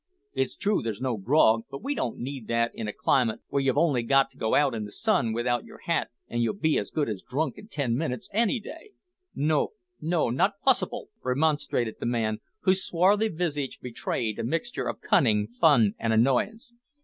It's true there's no grog, but we don't need that in a climate where you've only got to go out in the sun without yer hat an' you'll be as good as drunk in ten minutes, any day." "No, no, not possibil," remonstrated the man, whose swarthy visage betrayed a mixture of cunning, fun, and annoyance.